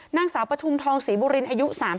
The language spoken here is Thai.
นางสาวปฐุมทองศรีบุรินอายุ๓๐